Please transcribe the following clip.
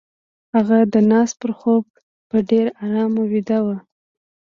هغه د ناز پر خوب په ډېر آرام ويده وه.